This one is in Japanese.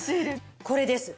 これです。